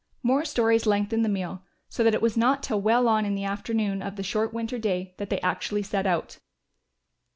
More stories lengthened the meal, so that it was not till well on in the afternoon of the short winter day that they actually set out.